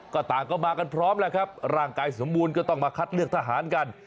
ก็ต่างก็มากันพร้อมแล้วครับร่างกายสมบูรณ์ก็ต้องมาคัดเลือกทหารกัน